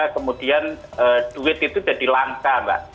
kemudian duit itu jadi langka mbak